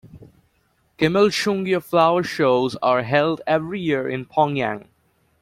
Kimilsungia flower shows are held every year in Pyongyang.